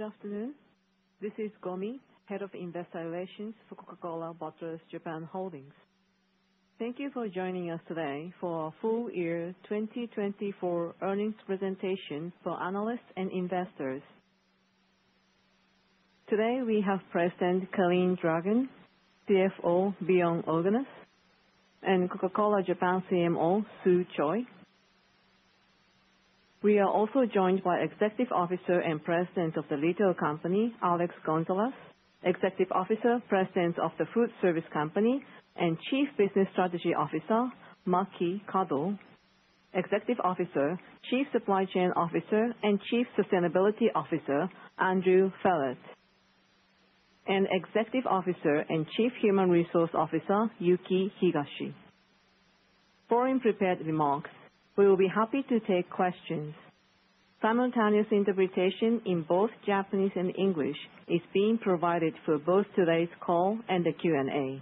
Good afternoon. This is Gomi, Head of Investor Relations for Coca-Cola Bottlers Japan Holdings. Thank you for joining us today for our Full-Year 2024 Earnings Presentation for Analysts and Investors. Today we have President Calin Dragan, CFO Bjorn Ivar Ulgenes, and Coca-Cola Japan CMO Su Choi. We are also joined by Executive Officer and President of the retail company Alex Gonzalez, Executive Officer, President of the food service company, and Chief Business Strategy Officer Maki Kado, Executive Officer, Chief Supply Chain Officer, and Chief Sustainability Officer Andrew Ferrett, and Executive Officer and Chief Human Resource Officer Yuki Higashi. For your prepared remarks, we will be happy to take questions. Simultaneous interpretation in both Japanese and English is being provided for both today's call and the Q&A.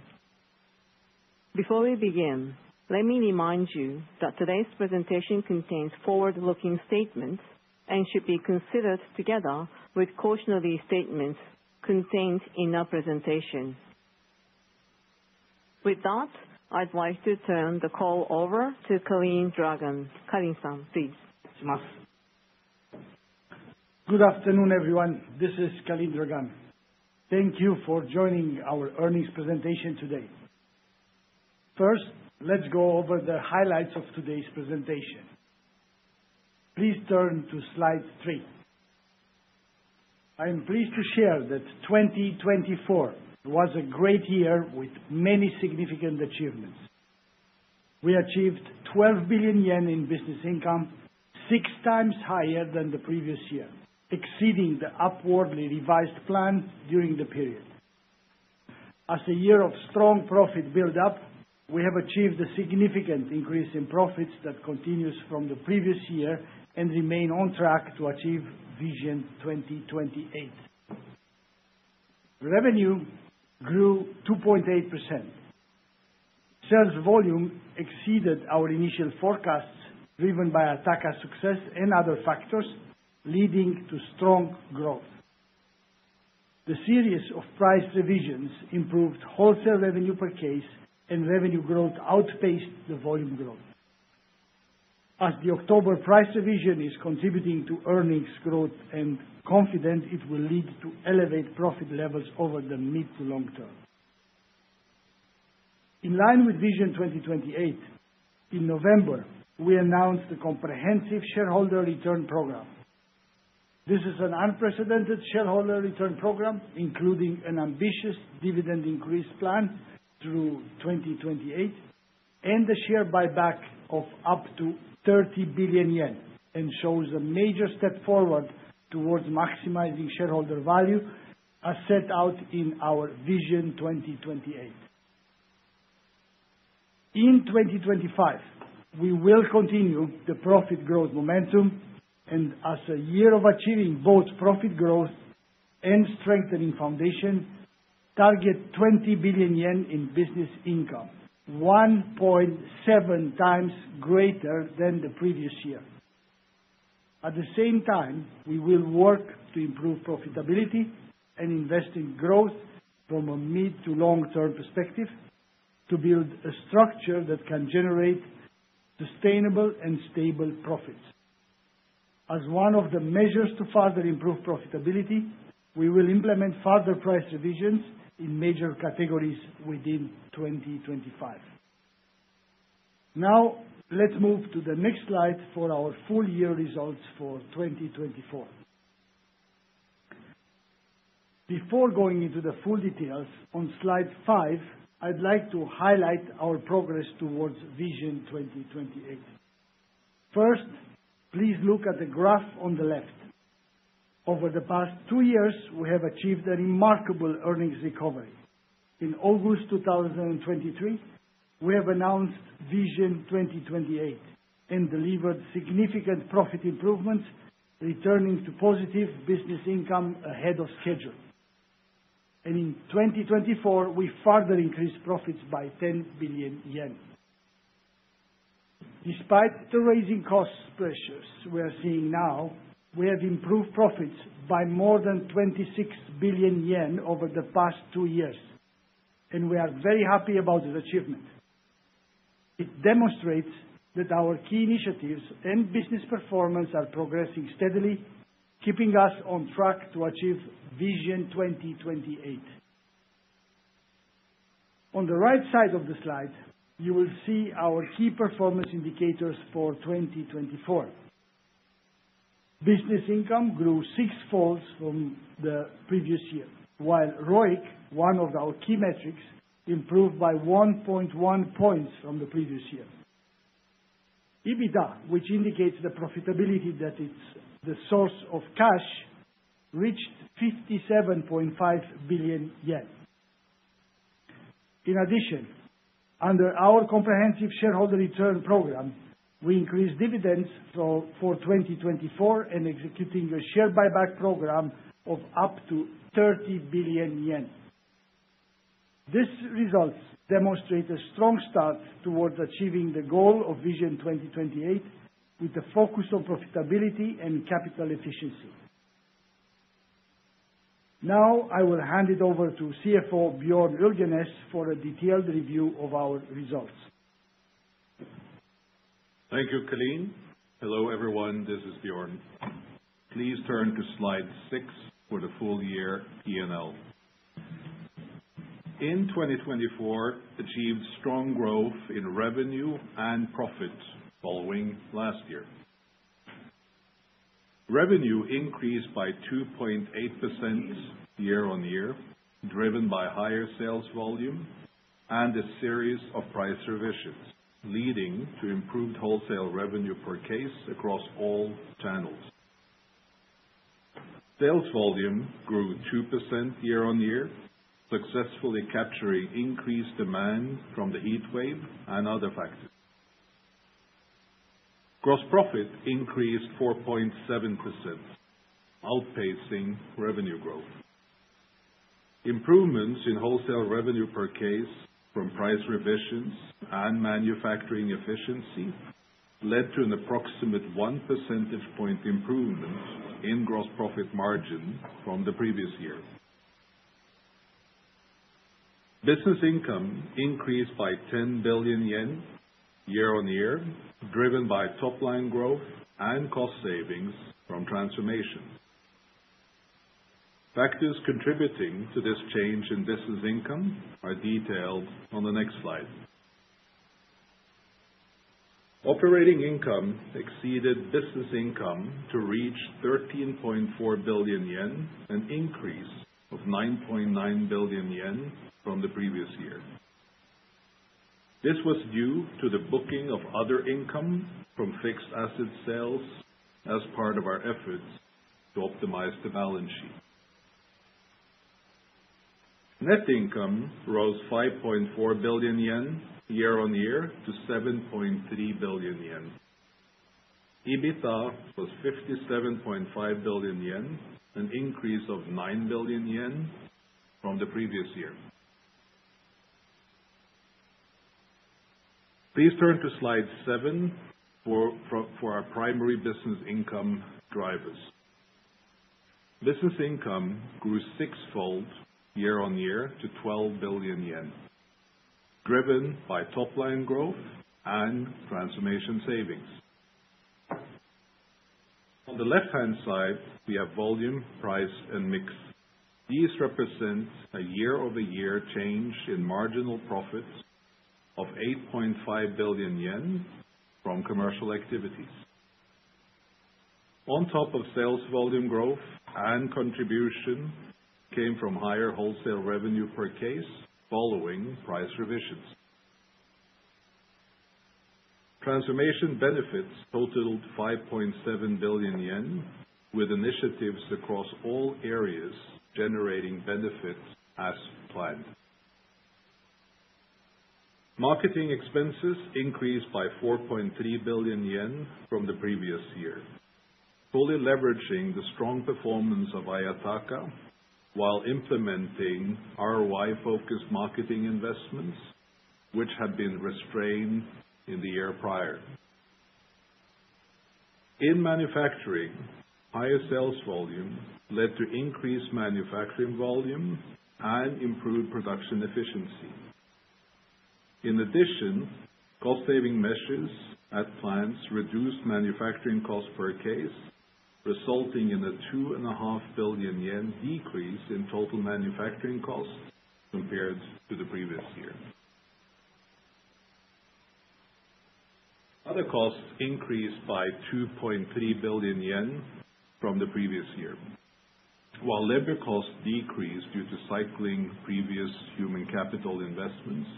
Before we begin, let me remind you that today's presentation contains forward-looking statements and should be considered together with cautionary statements contained in our presentation. With that, I'd like to turn the call over to Calin Dragan. Calin-san, please. ございます。Good afternoon, everyone. This is Calin Dragan. Thank you for joining our earnings presentation today. First, let's go over the highlights of today's presentation. Please turn to slide three. I am pleased to share that 2024 was a great year with many significant achievements. We achieved 12 billion yen in Business income, 6x higher than the previous year, exceeding the upwardly revised plan during the period. As a year of strong profit build-up, we have achieved a significant increase in profits that continues from the previous year and remain on track to achieve Vision 2028. Revenue grew 2.8%. Sales volume exceeded our initial forecasts, driven by our Ayataka success and other factors, leading to strong growth. The series of price revisions improved wholesale revenue per case, and revenue growth outpaced the volume growth. As the October price revision is contributing to earnings growth, I am confident it will lead to elevated profit levels over the mid to long term. In line with Vision 2028, in November, we announced the comprehensive shareholder return program. This is an unprecedented shareholder return program, including an ambitious dividend increase plan through 2028 and a share buyback of up to 30 billion yen, and shows a major step forward towards maximizing shareholder value as set out in our Vision 2028. In 2025, we will continue the profit growth momentum, and as a year of achieving both profit growth and strengthening foundation, target 20 billion yen in Business income, 1.7x greater than the previous year. At the same time, we will work to improve profitability and invest in growth from a mid to long-term perspective to build a structure that can generate sustainable and stable profits. As one of the measures to further improve profitability, we will implement further price revisions in major categories within 2025. Now, let's move to the next slide for our full-year results for 2024. Before going into the full details on slide five, I'd like to highlight our progress towards Vision 2028. First, please look at the graph on the left. Over the past two years, we have achieved a remarkable earnings recovery. In August 2023, we have announced Vision 2028 and delivered significant profit improvements, returning to positive Business income ahead of schedule, and in 2024, we further increased profits by 10 billion yen. Despite the rising cost pressures we are seeing now, we have improved profits by more than 26 billion yen over the past two years, and we are very happy about this achievement. It demonstrates that our key initiatives and business performance are progressing steadily, keeping us on track to achieve Vision 2028. On the right side of the slide, you will see our key performance indicators for 2024. Business income grew sixfold from the previous year, while ROIC, one of our key metrics, improved by 1.1 points from the previous year. EBITDA, which indicates the profitability that is the source of cash, reached 57.5 billion yen. In addition, under our comprehensive shareholder return program, we increased dividends for 2024 and executed a share buyback program of up to 30 billion yen. These results demonstrate a strong start towards achieving the goal of Vision 2028, with a focus on profitability and capital efficiency. Now, I will hand it over to CFO Bjorn Ulgenes for a detailed review of our results. Thank you, Calin. Hello, everyone. This is Bjorn. Please turn to slide six for the full-year P&L. In 2024, we achieved strong growth in revenue and profits following last year. Revenue increased by 2.8% year-on-year, driven by higher sales volume and a series of price revisions, leading to improved wholesale revenue per case across all channels. Sales volume grew 2% year-on-year, successfully capturing increased demand from the heat wave and other factors. Gross profit increased 4.7%, outpacing revenue growth. Improvements in wholesale revenue per case from price revisions and manufacturing efficiency led to an approximate one percentage point improvement in gross profit margin from the previous year. Business income increased by 10 billion yen year-on-year, driven by top-line growth and cost savings from transformation. Factors contributing to this change in Business income are detailed on the next slide. Operating income exceeded Business income to reach 13.4 billion yen, an increase of 9.9 billion yen from the previous year. This was due to the booking of other income from fixed asset sales as part of our efforts to optimize the balance sheet. Net income rose 5.4 billion yen year-on-year to 7.3 billion yen. EBITDA was 57.5 billion yen, an increase of 9 billion yen from the previous year. Please turn to slide one for our primary Business income drivers. Business income grew sixfold year-on-year to 12 billion yen, driven by top-line growth and transformation savings. On the left-hand side, we have volume, price, and mix. These represent a year-over-year change in marginal profits of 8.5 billion yen from commercial activities. On top of sales volume growth, contribution came from higher wholesale revenue per case following price revisions. Transformation benefits totaled 5.7 billion yen, with initiatives across all areas generating benefits as planned. Marketing expenses increased by 4.3 billion yen from the previous year, fully leveraging the strong performance of Ayataka while implementing ROI-focused marketing investments, which had been restrained in the year prior. In manufacturing, higher sales volume led to increased manufacturing volume and improved production efficiency. In addition, cost-saving measures at plants reduced manufacturing costs per case, resulting in a 2.5 billion yen decrease in total manufacturing costs compared to the previous year. Other costs increased by 2.3 billion yen from the previous year. While labor costs decreased due to cycling previous human capital investments,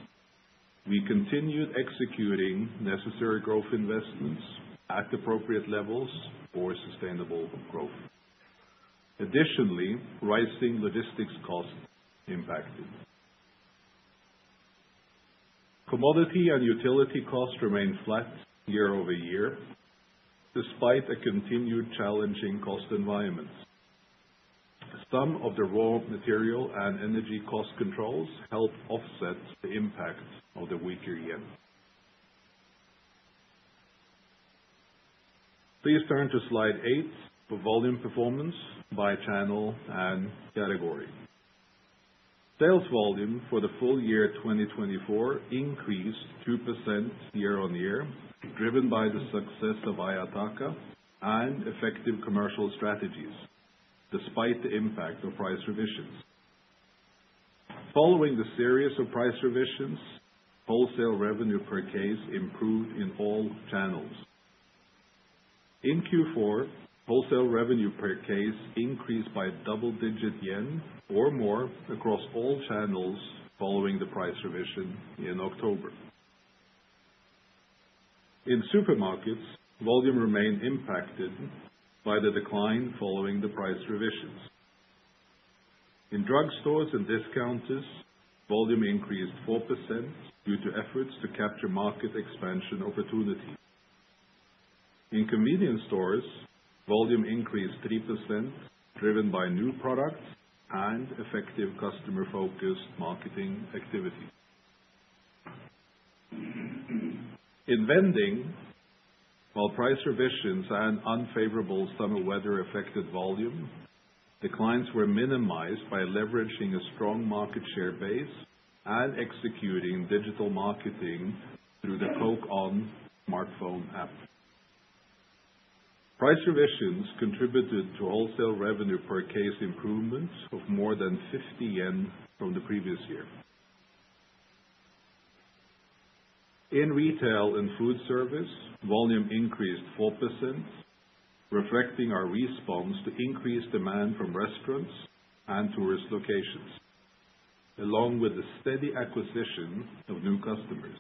we continued executing necessary growth investments at appropriate levels for sustainable growth. Additionally, rising logistics costs impacted. Commodity and utility costs remained flat year-over-year, despite a continued challenging cost environment. Some of the raw material and energy cost controls helped offset the impact of the weaker Yen. Please turn to slide eight for volume performance by channel and category. Sales volume for the full year 2024 increased 2% year-on-year, driven by the success of Ayataka and effective commercial strategies, despite the impact of price revisions. Following the series of price revisions, wholesale revenue per case improved in all channels. In Q4, wholesale revenue per case increased by a double-digit Yen or more across all channels following the price revision in October. In supermarkets, volume remained impacted by the decline following the price revisions. In drugstores and discounters, volume increased 4% due to efforts to capture market expansion opportunities. In convenience stores, volume increased 3%, driven by new products and effective customer-focused marketing activities. In vending, while price revisions and unfavorable summer weather affected volume, declines were minimized by leveraging a strong market share base and executing digital marketing through the Coke ON smartphone app. Price revisions contributed to wholesale revenue per case improvements of more than 50 yen from the previous year. In retail and food service, volume increased 4%, reflecting our response to increased demand from restaurants and tourist locations, along with the steady acquisition of new customers.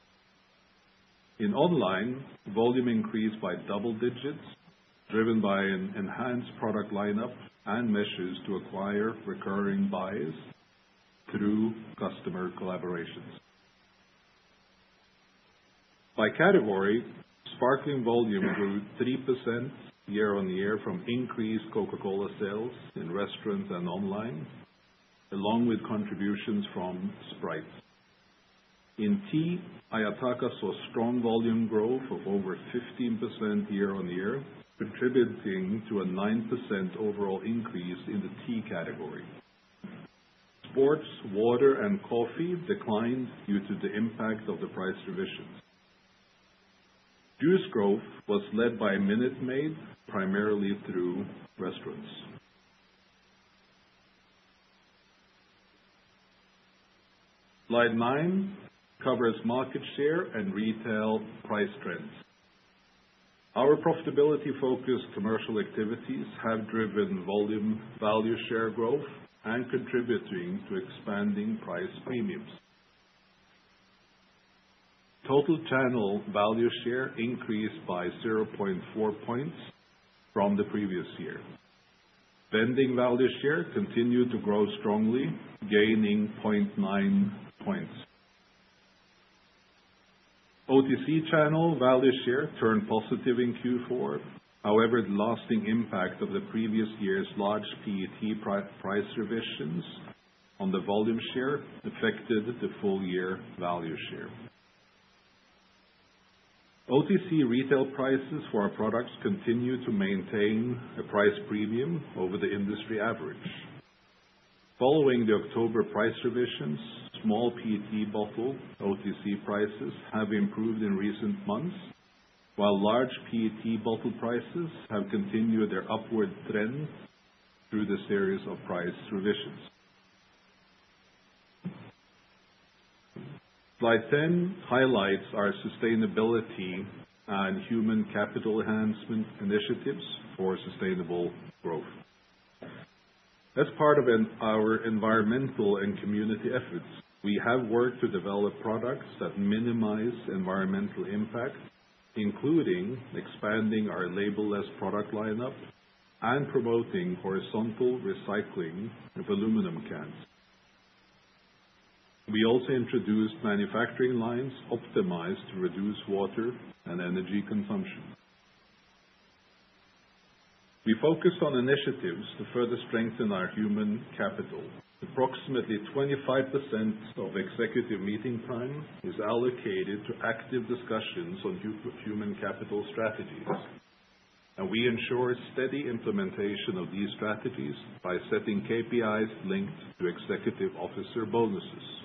In online, volume increased by double digits, driven by an enhanced product lineup and measures to acquire recurring buyers through customer collaborations. By category, sparkling volume grew 3% year-on-year from increased Coca-Cola sales in restaurants and online, along with contributions from Sprite. In tea, Ayataka saw strong volume growth of over 15% year-on-year, contributing to a 9% overall increase in the tea category. Sports, water, and coffee declined due to the impact of the price revisions. Juice growth was led by Minute Maid, primarily through restaurants. Slide nine covers market share and retail price trends. Our profitability-focused commercial activities have driven volume value share growth and contributing to expanding price premiums. Total channel value share increased by 0.4 points from the previous year. Vending value share continued to grow strongly, gaining 0.9 points. OTC channel value share turned positive in Q4, however, the lasting impact of the previous year's large PET price revisions on the volume share affected the full-year value share. OTC retail prices for our products continue to maintain a price premium over the industry average. Following the October price revisions, small PET bottle OTC prices have improved in recent months, while large PET bottle prices have continued their upward trend through the series of price revisions. Slide 10 highlights our sustainability and human capital enhancement initiatives for sustainable growth. As part of our environmental and community efforts, we have worked to develop products that minimize environmental impact, including expanding our label-less product lineup and promoting horizontal recycling of aluminum cans. We also introduced manufacturing lines optimized to reduce water and energy consumption. We focus on initiatives to further strengthen our human capital. Approximately 25% of executive meeting time is allocated to active discussions on human capital strategies, and we ensure steady implementation of these strategies by setting KPIs linked to executive officer bonuses.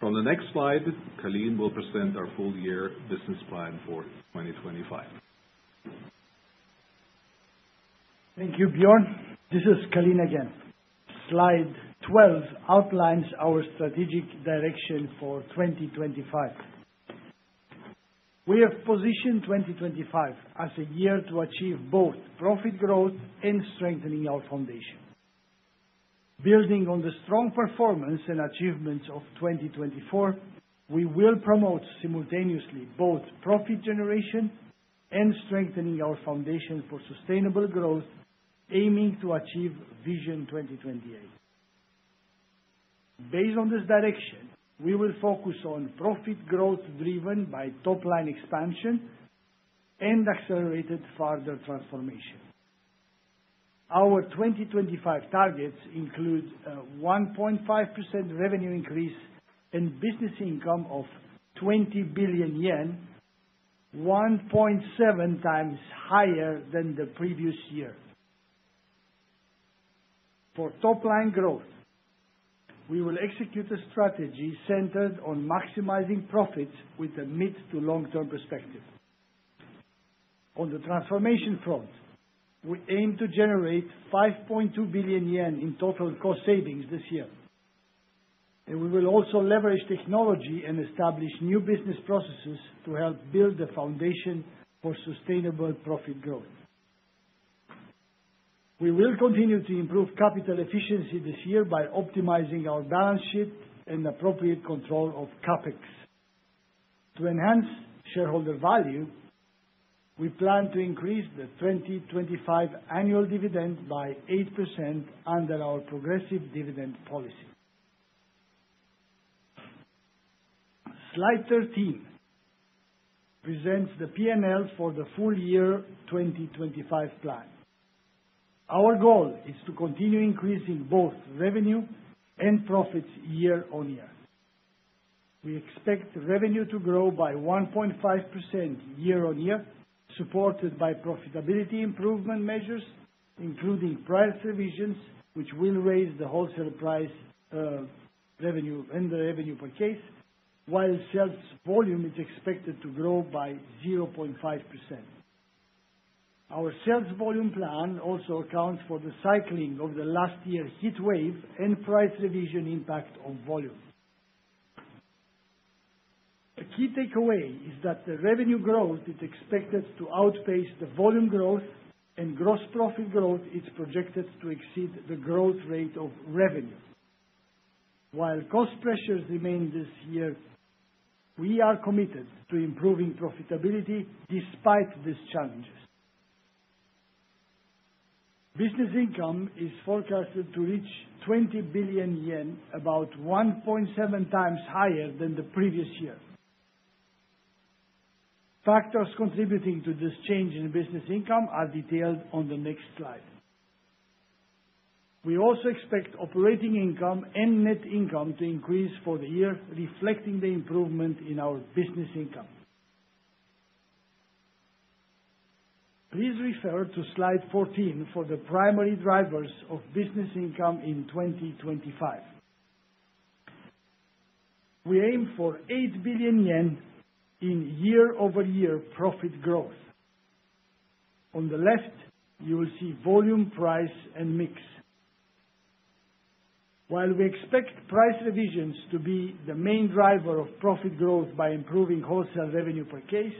On the next slide, Calin will present our full-year business plan for 2025. Thank you, Bjorn. This is Calin again. Slide 12 outlines our strategic direction for 2025. We have positioned 2025 as a year to achieve both profit growth and strengthening our foundation. Building on the strong performance and achievements of 2024, we will promote simultaneously both profit generation and strengthening our foundation for sustainable growth, aiming to achieve Vision 2028. Based on this direction, we will focus on profit growth driven by top-line expansion and accelerated further transformation. Our 2025 targets include a 1.5% revenue increase and Business income of 20 billion yen, 1.7x higher than the previous year. For top-line growth, we will execute a strategy centered on maximizing profits with a mid- to long-term perspective. On the transformation front, we aim to generate 5.2 billion yen in total cost savings this year, and we will also leverage technology and establish new business processes to help build the foundation for sustainable profit growth. We will continue to improve capital efficiency this year by optimizing our balance sheet and appropriate control of CapEx. To enhance shareholder value, we plan to increase the 2025 annual dividend by 8% under our progressive dividend policy. Slide 13 presents the P&L for the full year 2025 plan. Our goal is to continue increasing both revenue and profits year-on-year. We expect revenue to grow by 1.5% year-on-year, supported by profitability improvement measures, including price revisions, which will raise the wholesale price revenue and the revenue per case, while sales volume is expected to grow by 0.5%. Our sales volume plan also accounts for the cycling of the last year's heat wave and price revision impact on volume. A key takeaway is that the revenue growth is expected to outpace the volume growth, and gross profit growth is projected to exceed the growth rate of revenue. While cost pressures remain this year, we are committed to improving profitability despite these challenges. Business income is forecasted to reach 20 billion yen, about 1.7x higher than the previous year. Factors contributing to this change in Business income are detailed on the next slide. We also expect operating income and net income to increase for the year, reflecting the improvement in our Business income. Please refer to slide 14 for the primary drivers of Business income in 2025. We aim for 8 billion yen in year-over-year profit growth. On the left, you will see volume, price, and mix. While we expect price revisions to be the main driver of profit growth by improving wholesale revenue per case,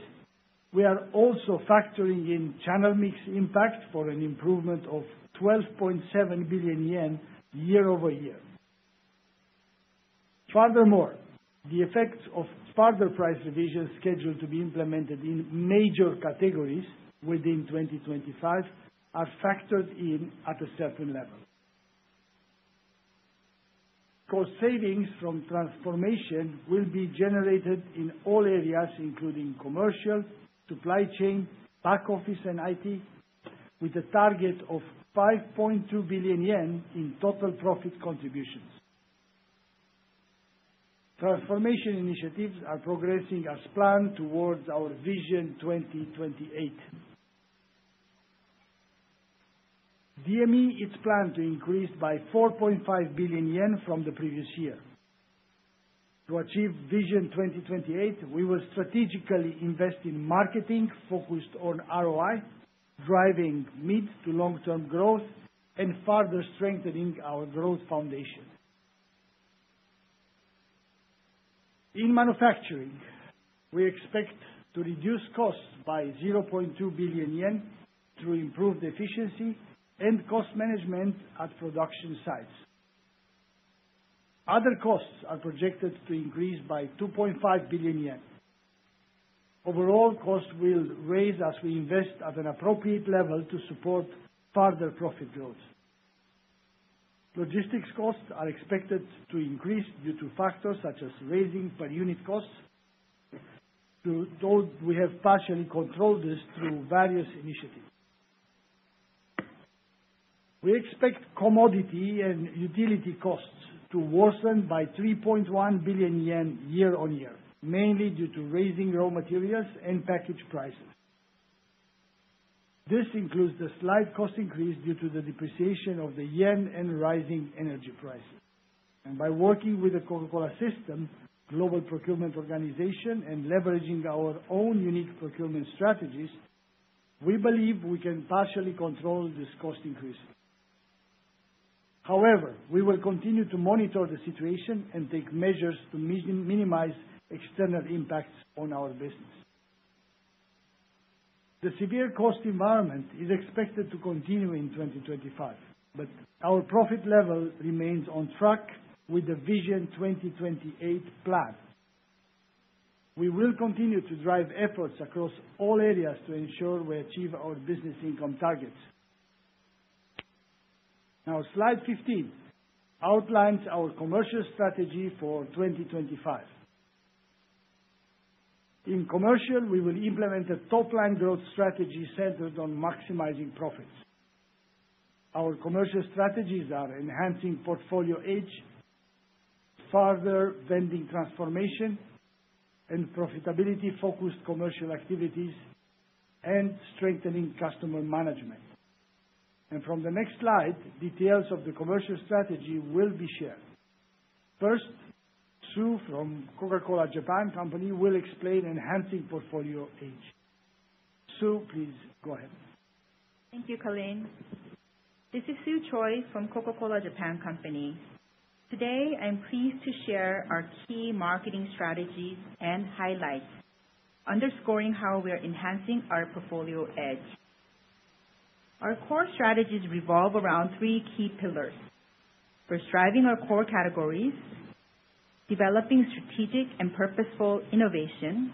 we are also factoring in channel mix impact for an improvement of 12.7 billion yen year-over-year. Furthermore, the effects of further price revisions scheduled to be implemented in major categories within 2025 are factored in at a certain level. Cost savings from transformation will be generated in all areas, including commercial, supply chain, back office, and IT, with a target of 5.2 billion yen in total profit contributions. Transformation initiatives are progressing as planned towards our Vision 2028. DME is planned to increase by 4.5 billion yen from the previous year. To achieve Vision 2028, we will strategically invest in marketing focused on ROI, driving mid- to long-term growth and further strengthening our growth foundation. In manufacturing, we expect to reduce costs by 0.2 billion yen through improved efficiency and cost management at production sites. Other costs are projected to increase by 2.5 billion yen. Overall, costs will rise as we invest at an appropriate level to support further profit growth. Logistics costs are expected to increase due to factors such as rising per unit costs, though we have partially controlled this through various initiatives. We expect commodity and utility costs to worsen by 3.1 billion yen year-on-year, mainly due to rising raw materials and package prices. This includes the slight cost increase due to the depreciation of the Yen and rising energy prices. By working with the Coca-Cola System Global Procurement Organization and leveraging our own unique procurement strategies, we believe we can partially control this cost increase. However, we will continue to monitor the situation and take measures to minimize external impacts on our business. The severe cost environment is expected to continue in 2025, but our profit level remains on track with the Vision 2028 plan. We will continue to drive efforts across all areas to ensure we achieve our Business income targets. Now, slide 15 outlines our commercial strategy for 2025. In commercial, we will implement a top-line growth strategy centered on maximizing profits. Our commercial strategies are enhancing portfolio edge, further vending transformation, and profitability-focused commercial activities, and strengthening customer management. And from the next slide, details of the commercial strategy will be shared. First, Su from Coca-Cola Japan Company will explain enhancing portfolio edge. Su, please go ahead. Thank you, Calin. This is Su Choi from Coca-Cola Japan Company. Today, I'm pleased to share our key marketing strategies and highlights, underscoring how we are enhancing our portfolio edge. Our core strategies revolve around three key pillars: first, driving our core categories; developing strategic and purposeful innovation;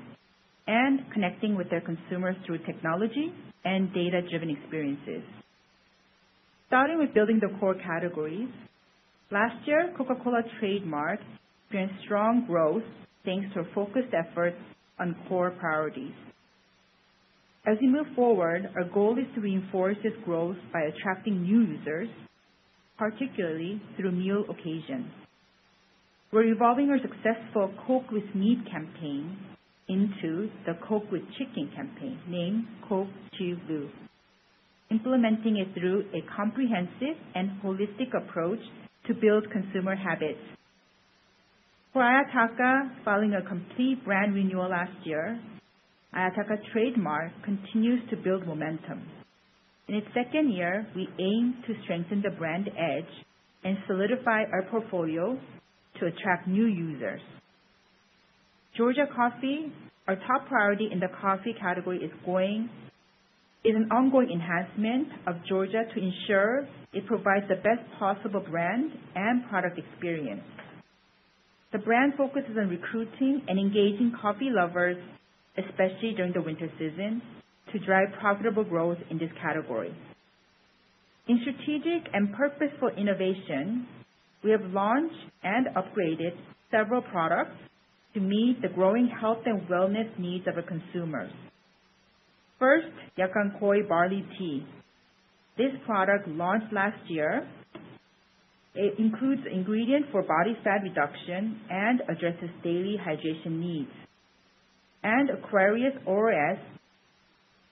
and connecting with their consumers through technology and data-driven experiences. Starting with building the core categories, last year, Coca-Cola trademark showed strong growth thanks to our focused efforts on core priorities. As we move forward, our goal is to reinforce this growth by attracting new users, particularly through meal occasions. We're evolving our successful Coke with Meat campaign into the Coke with Chicken campaign, named Coke Chubo, implementing it through a comprehensive and holistic approach to build consumer habits. For Ayataka, following a complete brand renewal last year, Ayataka trademark continues to build momentum. In its second year. We aim to strengthen the brand edge and solidify our portfolio to attract new users. Georgia Coffee, our top priority in the coffee category, is going, is an ongoing enhancement of Georgia to ensure it provides the best possible brand and product experience. The brand focuses on recruiting and engaging coffee lovers, especially during the winter season, to drive profitable growth in this category. In strategic and purposeful innovation, we have launched and upgraded several products to meet the growing health and wellness needs of our consumers. First, Yakan no Mugicha. This product launched last year. It includes an ingredient for body fat reduction and addresses daily hydration needs. Aquarius ORS,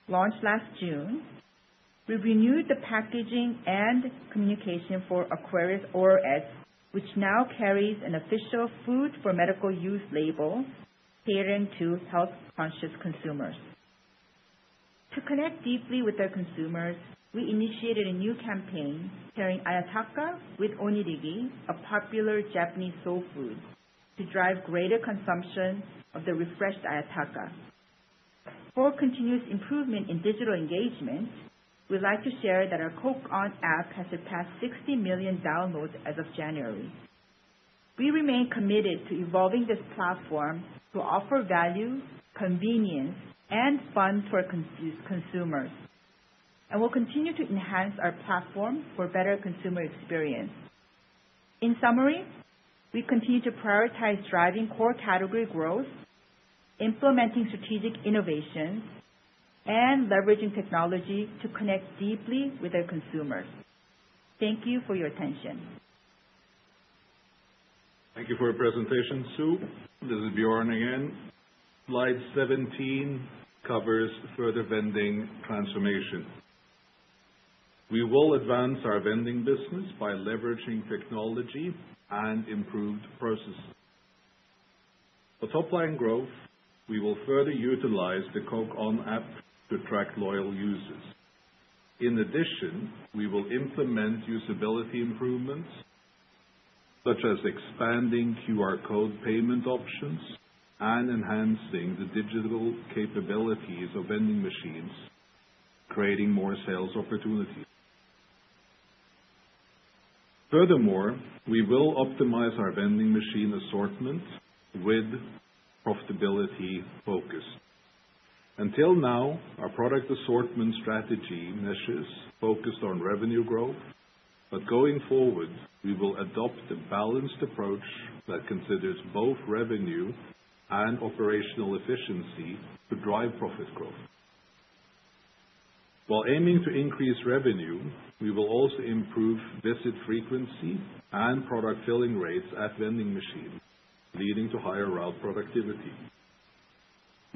launched last June. We've renewed the packaging and communication for Aquarius ORS, which now carries an official food-for-medical-use label catering to health-conscious consumers. To connect deeply with our consumers, we initiated a new campaign pairing Ayataka with onigiri, a popular Japanese soul food, to drive greater consumption of the refreshed Ayataka. For continuous improvement in digital engagement, we'd like to share that our Coke ON app has surpassed 60 million downloads as of January. We remain committed to evolving this platform to offer value, convenience, and fun to our consumers, and we'll continue to enhance our platform for a better consumer experience. In summary, we continue to prioritize driving core category growth, implementing strategic innovations, and leveraging technology to connect deeply with our consumers. Thank you for your attention. Thank you for your presentation, Su. This is Bjorn again. Slide 17 covers further vending transformation. We will advance our vending business by leveraging technology and improved processes. For top-line growth, we will further utilize the Coke ON app to attract loyal users. In addition, we will implement usability improvements, such as expanding QR code payment options and enhancing the digital capabilities of vending machines, creating more sales opportunities. Furthermore, we will optimize our vending machine assortment with profitability focus. Until now, our product assortment strategy measures focused on revenue growth, but going forward, we will adopt a balanced approach that considers both revenue and operational efficiency to drive profit growth. While aiming to increase revenue, we will also improve visit frequency and product filling rates at vending machines, leading to higher route productivity.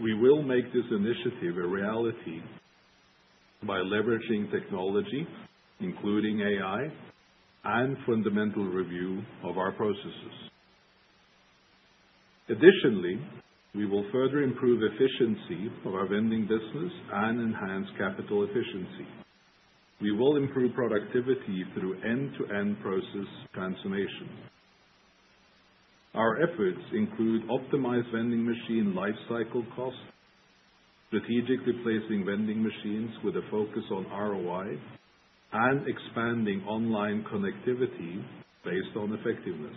We will make this initiative a reality by leveraging technology, including AI, and fundamental review of our processes. Additionally, we will further improve efficiency of our vending business and enhance capital efficiency. We will improve productivity through end-to-end process transformation. Our efforts include optimized vending machine lifecycle costs, strategically placing vending machines with a focus on ROI, and expanding online connectivity based on effectiveness.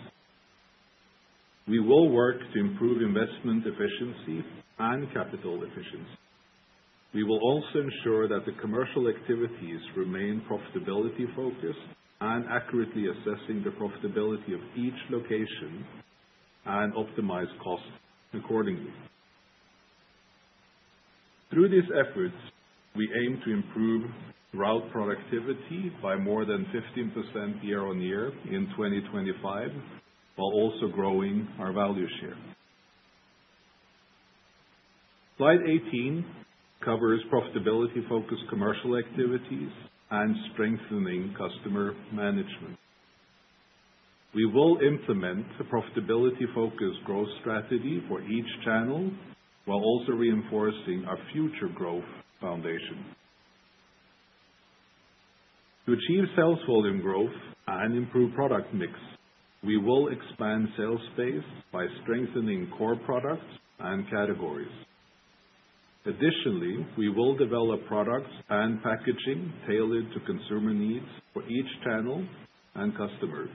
We will work to improve investment efficiency and capital efficiency. We will also ensure that the commercial activities remain profitability-focused and accurately assessing the profitability of each location and optimize costs accordingly. Through these efforts, we aim to improve route productivity by more than 15% year-on-year in 2025, while also growing our value share. Slide 18 covers profitability-focused commercial activities and strengthening customer management. We will implement a profitability-focused growth strategy for each channel, while also reinforcing our future growth foundation. To achieve sales volume growth and improve product mix, we will expand sales space by strengthening core products and categories. Additionally, we will develop products and packaging tailored to consumer needs for each channel and customer,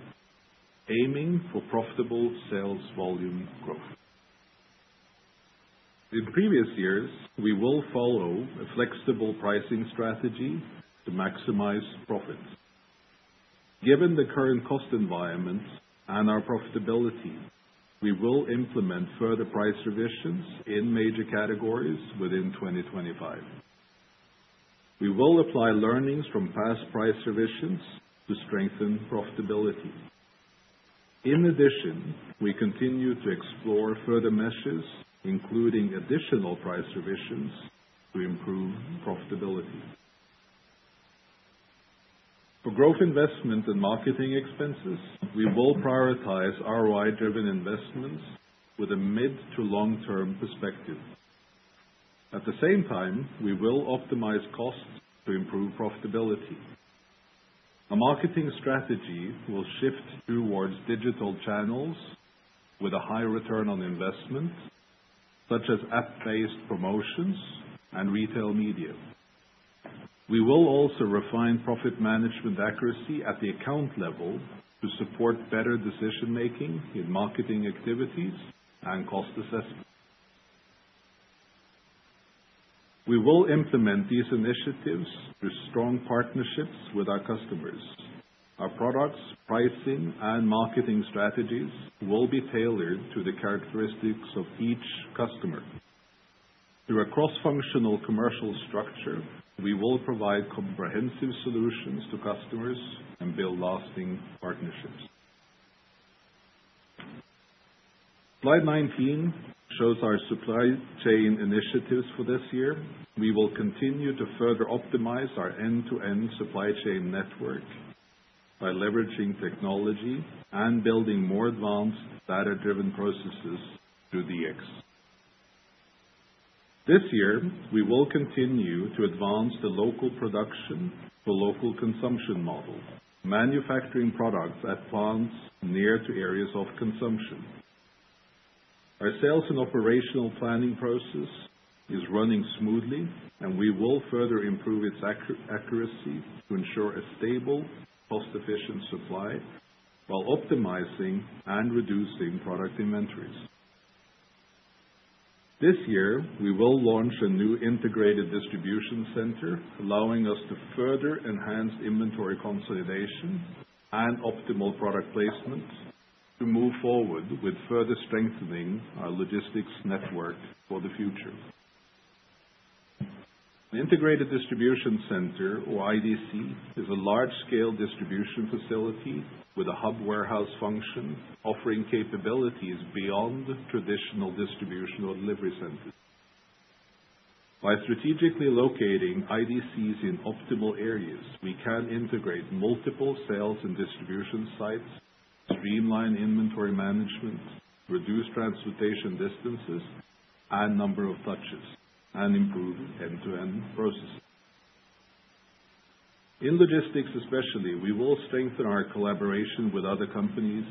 aiming for profitable sales volume growth. In previous years, we will follow a flexible pricing strategy to maximize profits. Given the current cost environment and our profitability, we will implement further price revisions in major categories within 2025. We will apply learnings from past price revisions to strengthen profitability. In addition, we continue to explore further measures, including additional price revisions to improve profitability. For growth investment and marketing expenses, we will prioritize ROI-driven investments with a mid- to long-term perspective. At the same time, we will optimize costs to improve profitability. Our marketing strategy will shift towards digital channels with a high return on investment, such as app-based promotions and retail media. We will also refine profit management accuracy at the account level to support better decision-making in marketing activities and cost assessment. We will implement these initiatives through strong partnerships with our customers. Our products, pricing, and marketing strategies will be tailored to the characteristics of each customer. Through a cross-functional commercial structure, we will provide comprehensive solutions to customers and build lasting partnerships. Slide 19 shows our supply chain initiatives for this year. We will continue to further optimize our end-to-end supply chain network by leveraging technology and building more advanced data-driven processes through DX. This year, we will continue to advance the local production for local consumption model, manufacturing products at plants near to areas of consumption. Our sales and operational planning process is running smoothly, and we will further improve its accuracy to ensure a stable, cost-efficient supply while optimizing and reducing product inventories. This year, we will launch a new integrated distribution center, allowing us to further enhance inventory consolidation and optimal product placements to move forward with further strengthening our logistics network for the future. An integrated distribution center, or IDC, is a large-scale distribution facility with a hub warehouse function, offering capabilities beyond traditional distribution or delivery centers. By strategically locating IDCs in optimal areas, we can integrate multiple sales and distribution sites, streamline inventory management, reduce transportation distances and number of touches, and improve end-to-end processes. In logistics especially, we will strengthen our collaboration with other companies,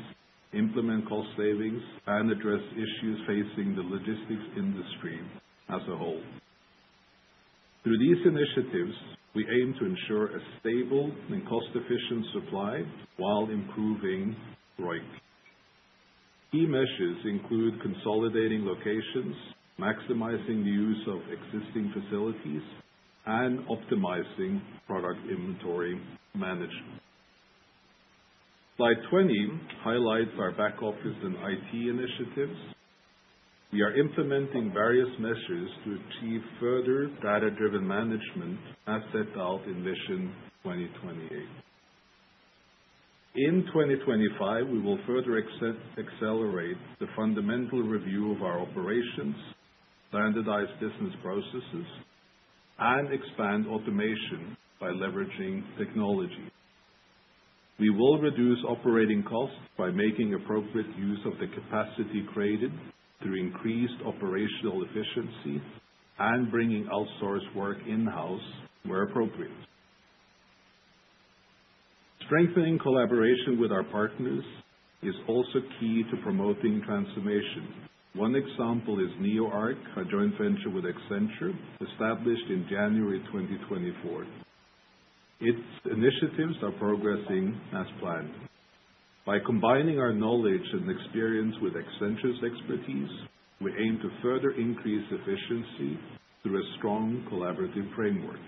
implement cost savings, and address issues facing the logistics industry as a whole. Through these initiatives, we aim to ensure a stable and cost-efficient supply while improving growth. Key measures include consolidating locations, maximizing the use of existing facilities, and optimizing product inventory management. Slide 20 highlights our back office and IT initiatives. We are implementing various measures to achieve further data-driven management as set out in Vision 2028. In 2025, we will further accelerate the fundamental review of our operations, standardized business processes, and expand automation by leveraging technology. We will reduce operating costs by making appropriate use of the capacity created through increased operational efficiency and bringing outsourced work in-house where appropriate. Strengthening collaboration with our partners is also key to promoting transformation. One example is NeoArc, a joint venture with Accenture, established in January 2024. Its initiatives are progressing as planned. By combining our knowledge and experience with Accenture's expertise, we aim to further increase efficiency through a strong collaborative framework.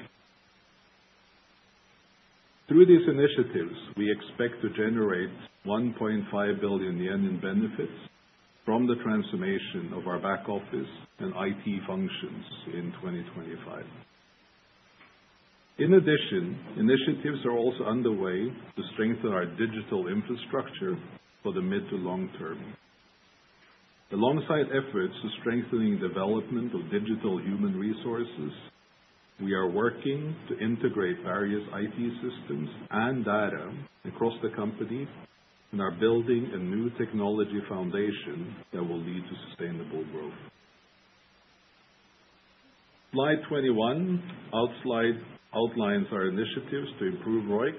Through these initiatives, we expect to generate 1.5 billion yen in benefits from the transformation of our back office and IT functions in 2025. In addition, initiatives are also underway to strengthen our digital infrastructure for the mid to long term. Alongside efforts to strengthen the development of digital human resources, we are working to integrate various IT systems and data across the company and are building a new technology foundation that will lead to sustainable growth. Slide 21 outlines our initiatives to improve ROIC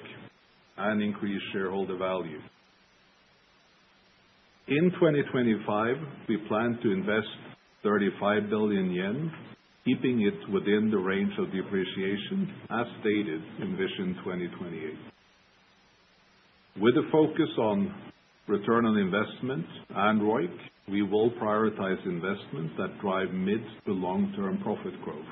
and increase shareholder value. In 2025, we plan to invest 35 billion yen, keeping it within the range of depreciation as stated in Vision 2028. With a focus on return on investment and ROIC, we will prioritize investments that drive mid- to long-term profit growth.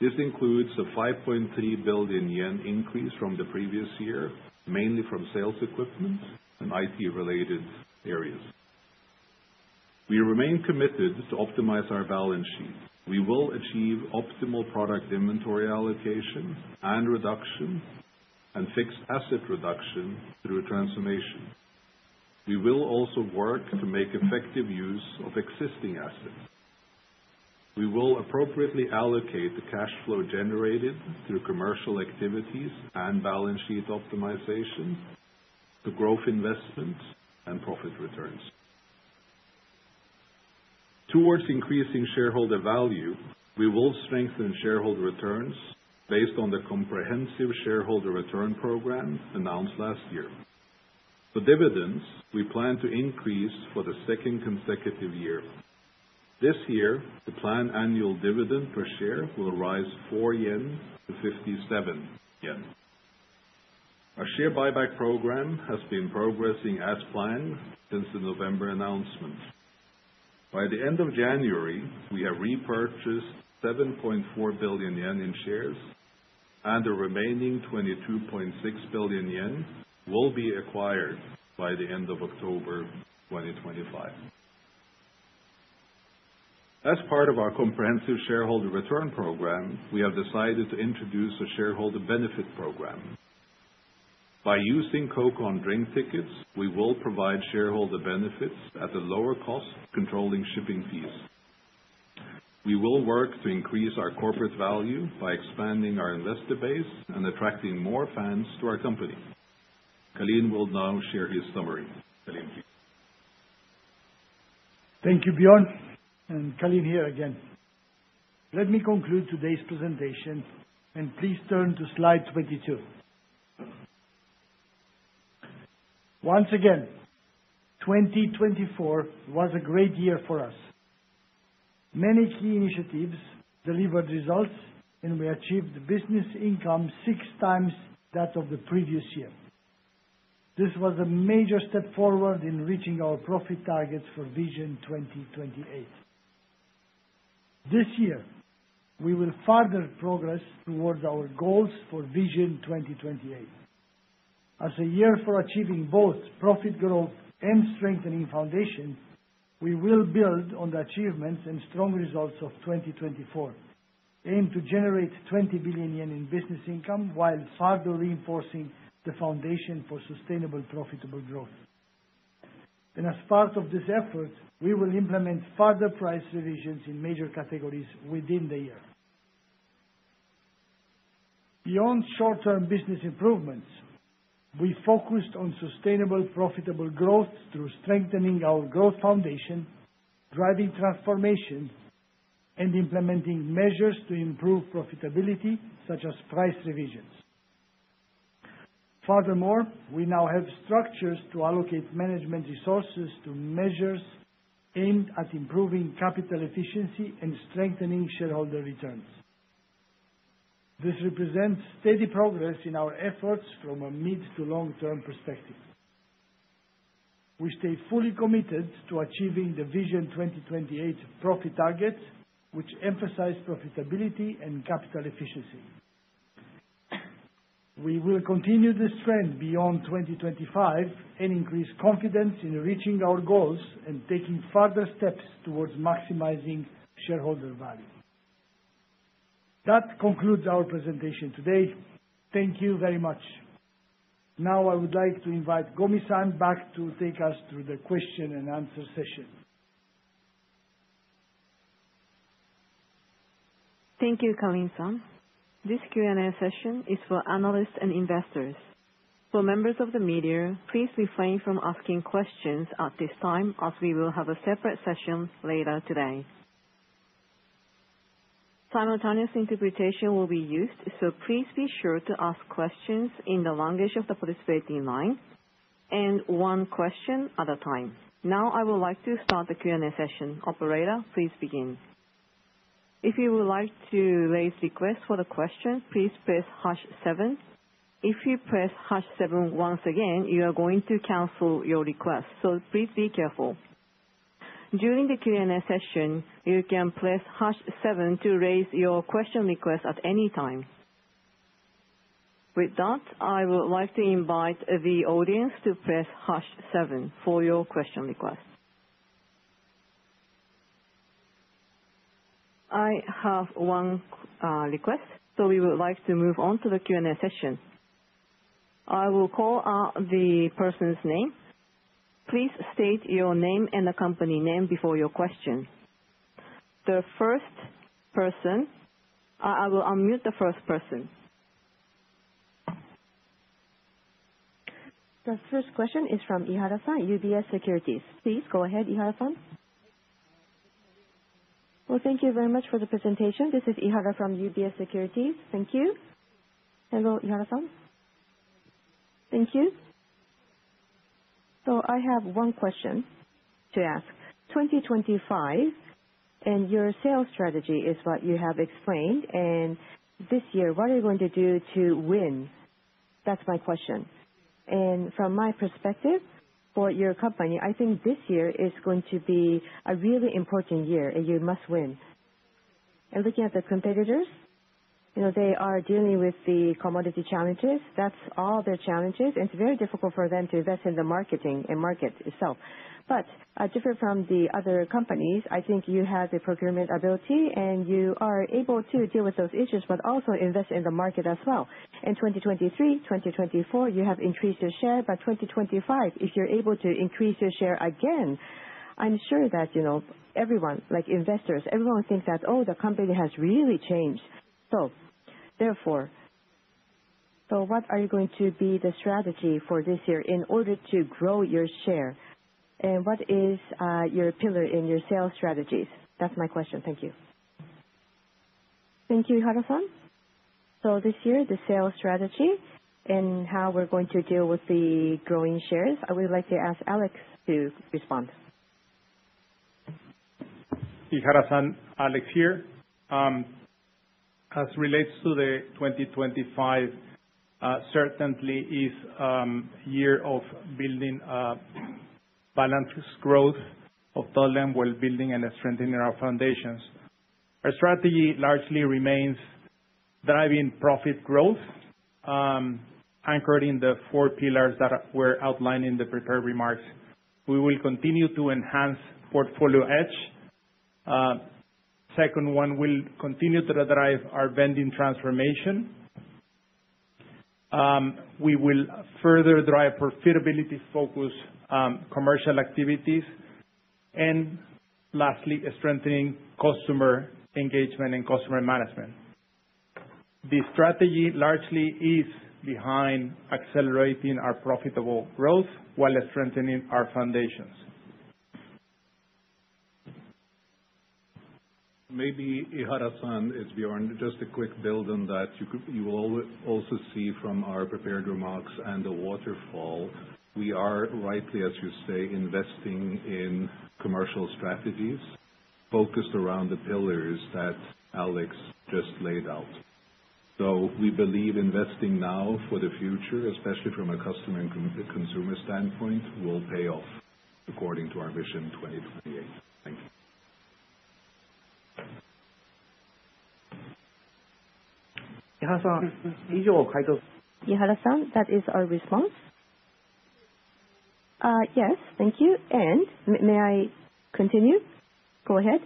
This includes a 5.3 billion yen increase from the previous year, mainly from sales equipment and IT-related areas. We remain committed to optimize our balance sheet. We will achieve optimal product inventory allocation and reduction and fixed asset reduction through transformation. We will also work to make effective use of existing assets. We will appropriately allocate the cash flow generated through commercial activities and balance sheet optimization to growth investments and profit returns. Towards increasing shareholder value, we will strengthen shareholder returns based on the comprehensive shareholder return program announced last year. For dividends, we plan to increase for the second consecutive year. This year, the planned annual dividend per share will rise 4 yen to 57. Our share buyback program has been progressing as planned since the November announcement. By the end of January, we have repurchased 7.4 billion yen in shares, and the remaining 22.6 billion yen will be acquired by the end of October 2025. As part of our comprehensive shareholder return program, we have decided to introduce a shareholder benefit program. By using Coca-Cola drink tickets, we will provide shareholder benefits at a lower cost, controlling shipping fees. We will work to increase our corporate value by expanding our investor base and attracting more fans to our company. Calin will now share his summary. Calin, please. Thank you, Bjorn, and Calin here again. Let me conclude today's presentation, and please turn to slide 22. Once again, 2024 was a great year for us. Many key initiatives delivered results, and we achieved Business income 6x that of the previous year. This was a major step forward in reaching our profit targets for Vision 2028. This year, we will further progress towards our goals for Vision 2028. As a year for achieving both profit growth and strengthening foundation, we will build on the achievements and strong results of 2024, aiming to generate 20 billion yen in Business income while further reinforcing the foundation for sustainable profitable growth. As part of this effort, we will implement further price revisions in major categories within the year. Beyond short-term business improvements, we focused on sustainable profitable growth through strengthening our growth foundation, driving transformation, and implementing measures to improve profitability, such as price revisions. Furthermore, we now have structures to allocate management resources to measures aimed at improving capital efficiency and strengthening shareholder returns. This represents steady progress in our efforts from a mid- to long-term perspective. We stay fully committed to achieving the Vision 2028 profit targets, which emphasize profitability and capital efficiency. We will continue this trend beyond 2025 and increase confidence in reaching our goals and taking further steps towards maximizing shareholder value. That concludes our presentation today. Thank you very much. Now, I would like to invite Gomi-san back to take us through the question and answer session. Thank you, Calin-san. This Q&A session is for analysts and investors. For members of the media, please refrain from asking questions at this time, as we will have a separate session later today. Simultaneous interpretation will be used, so please be sure to ask questions in the language of the participating line and one question at a time. Now, I would like to start the Q&A session. Operator, please begin. If you would like to raise requests for the question, please press hash seven. If you press hash seven once again, you are going to cancel your request, so please be careful. During the Q&A session, you can press hash seven to raise your question request at any time. With that, I would like to invite the audience to press hash seven for your question request. I have one request, so we would like to move on to the Q&A session. I will call out the person's name. Please state your name and the company name before your question. The first person, I will unmute the first person. The first question is from Ihara-san, UBS Securities. Please go ahead, Ihara-san. Well, thank you very much for the presentation. This is Ihara from UBS Securities. Thank you. Hello, Ihara-san. Thank you. So I have one question to ask. 2025, and your sales strategy is what you have explained, and this year, what are you going to do to win? That's my question. And from my perspective, for your company, I think this year is going to be a really important year, and you must win. And looking at the competitors, they are dealing with the commodity challenges. That's all their challenges, and it's very difficult for them to invest in the marketing and market itself. But different from the other companies, I think you have the procurement ability, and you are able to deal with those issues, but also invest in the market as well. In 2023, 2024, you have increased your share, but 2025, if you're able to increase your share again, I'm sure that everyone, like investors, everyone thinks that, oh, the company has really changed. So therefore, what are you going to be the strategy for this year in order to grow your share? And what is your pillar in your sales strategies? That's my question. Thank you. Thank you, Ihara-san. So this year, the sales strategy and how we're going to deal with the growing shares, I would like to ask Alex to respond. Ihara-san, Alex here. As it relates to 2025, certainly is a year of building balanced growth of the retail end while building and strengthening our foundations. Our strategy largely remains driving profit growth, anchored in the four pillars that were outlined in the prepared remarks. We will continue to enhance portfolio edge. Second one, we'll continue to drive our vending transformation. We will further drive profitability-focused commercial activities. And lastly, strengthening customer engagement and customer management. The strategy largely is behind accelerating our profitable growth while strengthening our foundations. Maybe, Ihara-san, it's Bjorn, just a quick build on that. You will also see from our prepared remarks and the waterfall, we are rightly, as you say, investing in commercial strategies focused around the pillars that Alex just laid out. So we believe investing now for the future, especially from a customer and consumer standpoint, will pay off according to our Vision 2028. Thank you. Ihara-san, that is our response. Yes, thank you. And may I continue? Go ahead,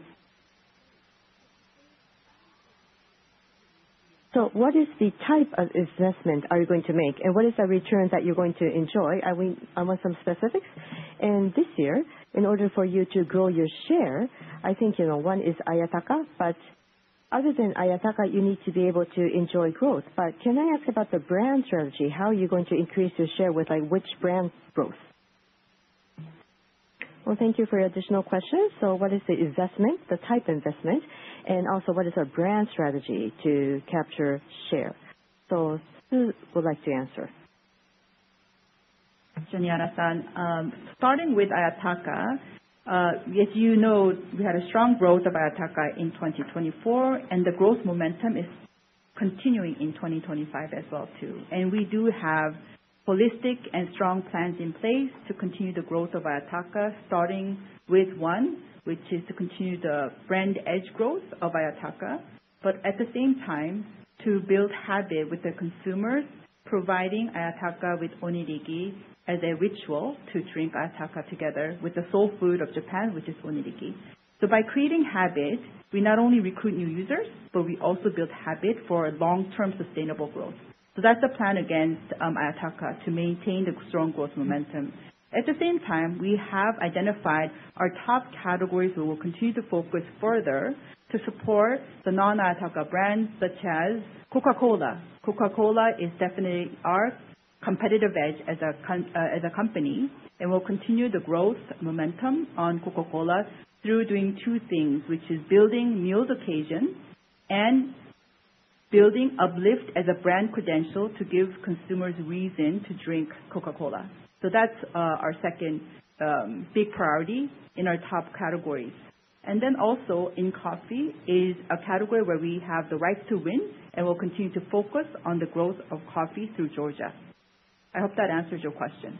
So what is the type of investment are you going to make, and what is the return that you are going to enjoy? I want some specifics. And this year, in order for you to grow your share, I think one is Ayataka, but other than Ayataka, you need to be able to enjoy growth. But can I ask about the brand strategy? How are you going to increase your share with which brand growth? Thank you for your additional questions. What is the investment, the type of investment, and also what is our brand strategy to capture share? Who would like to answer? I am. Ihara-san. Starting with Ayataka, as you know, we had a strong growth of Ayataka in 2024, and the growth momentum is continuing in 2025 as well too. We do have holistic and strong plans in place to continue the growth of Ayataka, starting with one, which is to continue the brand edge growth of Ayataka, but at the same time, to build habit with the consumers, providing Ayataka with onigiri as a ritual to drink Ayataka together with the soul food of Japan, which is onigiri. So by creating habit, we not only recruit new users, but we also build habit for long-term sustainable growth. So that's the plan against Ayataka to maintain the strong growth momentum. At the same time, we have identified our top categories we will continue to focus further to support the non-Ayataka brand, such as Coca-Cola. Coca-Cola is definitely our competitive edge as a company, and we'll continue the growth momentum on Coca-Cola through doing two things, which is building meals occasion and building uplift as a brand credential to give consumers reason to drink Coca-Cola. So that's our second big priority in our top categories. And then also in coffee is a category where we have the right to win, and we'll continue to focus on the growth of coffee through Georgia. I hope that answers your question.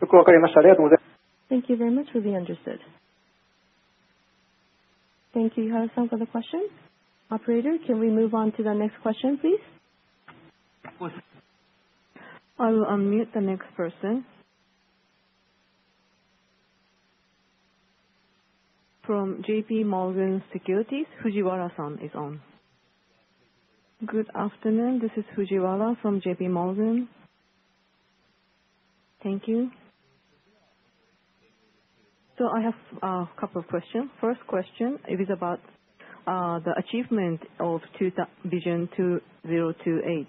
Thank you very much for being understood. Thank you, Ihara-san, for the question. Operator, can we move on to the next question, please? I will unmute the next person. From JPMorgan Securities, Fujiwara-san is on. Good afternoon. This is Fujiwara from JPMorgan. Thank you. So I have a couple of questions. First question, it is about the achievement of Vision 2028.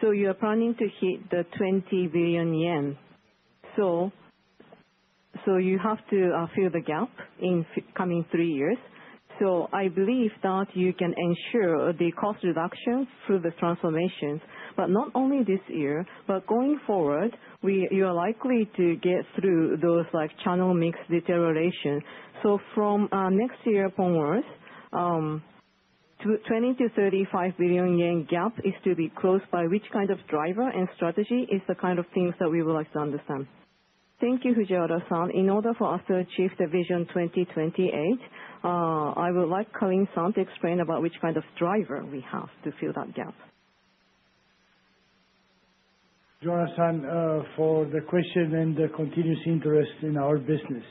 So you are planning to hit the 20 billion yen. So you have to fill the gap in coming three years. So I believe that you can ensure the cost reduction through the transformations, but not only this year, but going forward, you are likely to get through those channel mix deterioration. So from next year onwards, 20 to 35 billion gap is to be closed by which kind of driver and strategy is the kind of things that we would like to understand. Thank you, Fujiwara-san. In order for us to achieve the Vision 2028, I would like Calin-san to explain about which kind of driver we have to fill that gap. Ihara-san, for the question and the continuous interest in our business.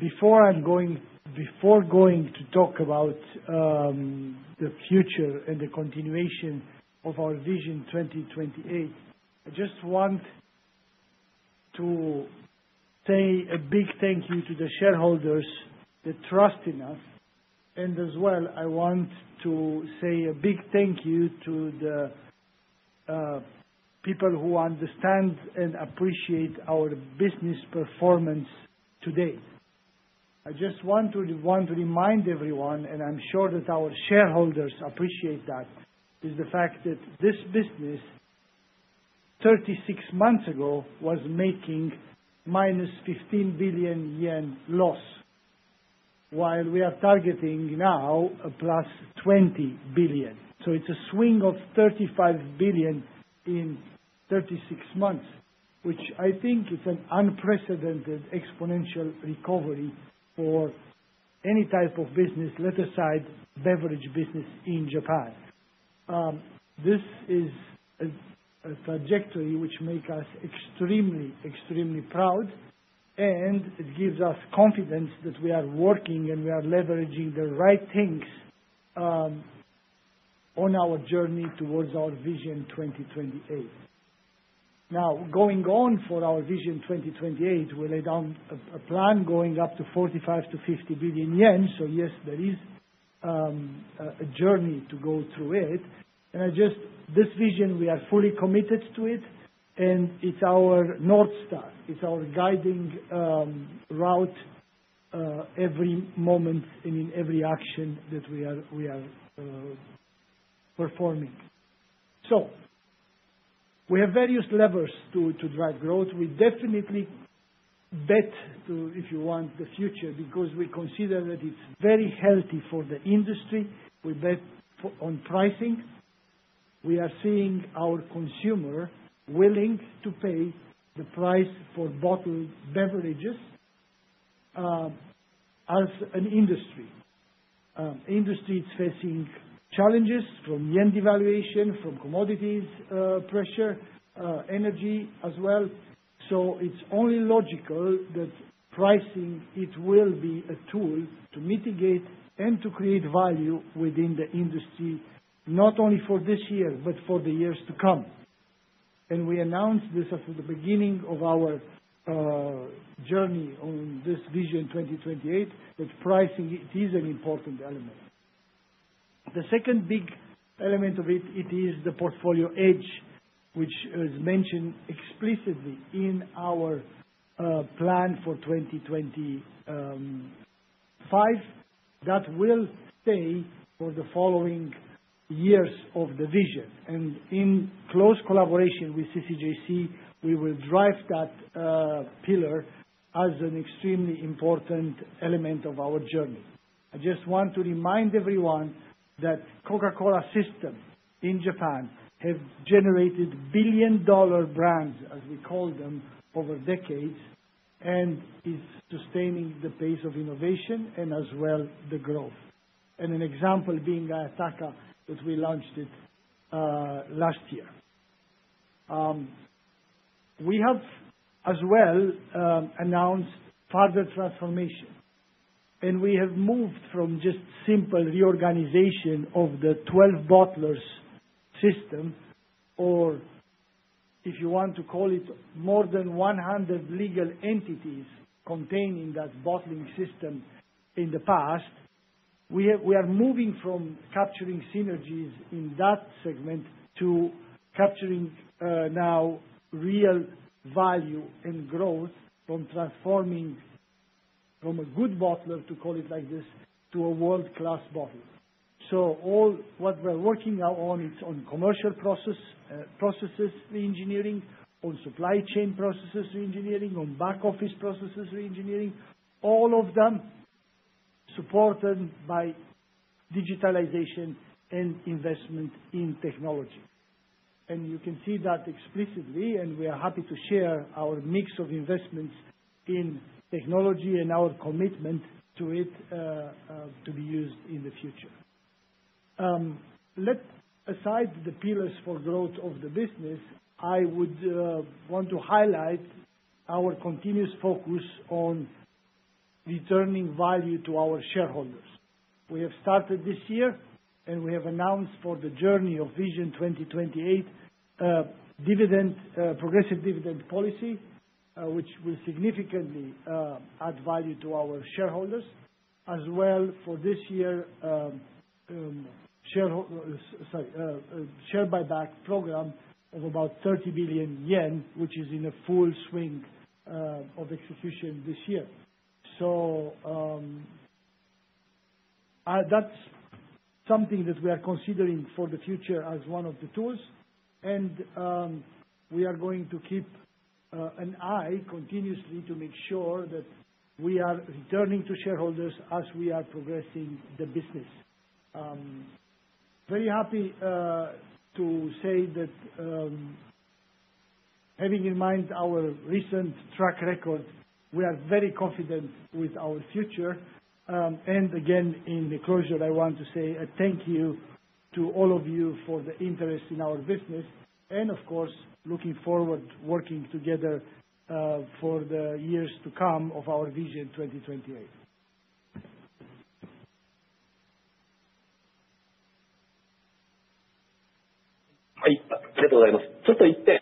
Before going to talk about the future and the continuation of our Vision 2028, I just want to say a big thank you to the shareholders that trust in us, and as well, I want to say a big thank you to the people who understand and appreciate our business performance today. I just want to remind everyone, and I'm sure that our shareholders appreciate that, is the fact that this business, 36 months ago, was making -15 billion Yen loss, while we are targeting now a +20 billion. It's a swing of 35 billion in 36 months, which I think is an unprecedented exponential recovery for any type of business, let aside beverage business in Japan. This is a trajectory which makes us extremely, extremely proud, and it gives us confidence that we are working and we are leveraging the right things on our journey towards our Vision 2028. Now, going on for our Vision 2028, we laid down a plan going up to 45 billion to 50 billion. Yes, there is a journey to go through it. This vision, we are fully committed to it, and it's our North Star. It's our guiding route every moment and in every action that we are performing. We have various levers to drive growth. We definitely bet to, if you want, the future because we consider that it's very healthy for the industry. We bet on pricing. We are seeing our consumer willing to pay the price for bottled beverages as an industry. Industry is facing challenges from Yen devaluation, from commodities pressure, energy as well. So it's only logical that pricing, it will be a tool to mitigate and to create value within the industry, not only for this year, but for the years to come, and we announced this at the beginning of our journey on this Vision 2028, that pricing, it is an important element. The second big element of it, it is the portfolio edge, which is mentioned explicitly in our plan for 2025 that will stay for the following years of the vision, and in close collaboration with CCJC, we will drive that pillar as an extremely important element of our journey. I just want to remind everyone that the Coca-Cola System in Japan has generated billion-dollar brands, as we call them, over decades and is sustaining the pace of innovation and as well the growth, and an example being Ayataka that we launched last year. We have as well announced further transformation, and we have moved from just simple reorganization of the 12 bottlers system, or if you want to call it more than 100 legal entities containing that bottling system in the past, we are moving from capturing synergies in that segment to capturing now real value and growth from transforming from a good bottler, to call it like this, to a world-class bottler, so all what we're working on, it's on commercial processes, re-engineering, on supply chain processes, re-engineering, on back-office processes, re-engineering, all of them supported by digitalization and investment in technology. You can see that explicitly, and we are happy to share our mix of investments in technology and our commitment to it to be used in the future. Let's set aside the pillars for growth of the business. I would want to highlight our continuous focus on returning value to our shareholders. We have started this year, and we have announced for the journey of Vision 2028, progressive dividend policy, which will significantly add value to our shareholders, as well for this year, share buyback program of about 30 billion yen, which is in full swing of execution this year. That's something that we are considering for the future as one of the tools. We are going to keep an eye continuously to make sure that we are returning to shareholders as we are progressing the business. Very happy to say that having in mind our recent track record, we are very confident with our future and again, in the closure, I want to say a thank you to all of you for the interest in our business, and of course, looking forward to working together for the years to come of our Vision 2028.